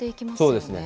そうですね。